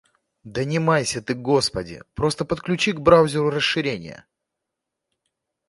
Да не майся ты, господи. Просто подключи к браузеру расширения.